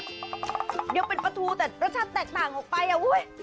อร่อยอร่อยแบบยังเป็นปลาทูแต่รสชาติแตกต่างออกไปอ่ะอุ้ย